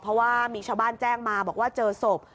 เพราะว่ามีชาวบ้านแจ้งมาบอกว่าเจอศพ